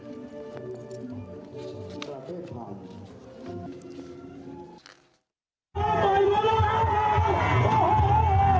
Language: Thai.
เราจะอยู่ตรงนี้ไปสินะ